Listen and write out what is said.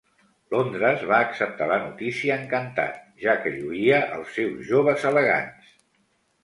Londres va acceptar la notícia encantat ja que lluïa els seus joves elegants.